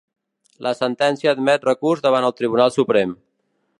La sentència admet recurs davant el Tribunal Suprem.